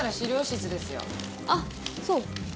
あっそう。